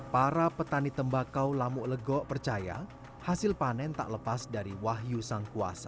para petani tembakau lamu legok percaya hasil panen tak lepas dari wahyu sangkuasa